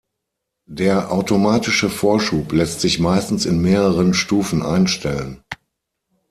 Der automatische Vorschub lässt sich meistens in mehreren Stufen einstellen.